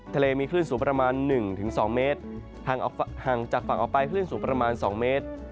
ทะเลมีคลื่นสูงประมาณ๑๒เมตรห่างจากฝั่งออกไปคลื่นสูงประมาณ๒เมตร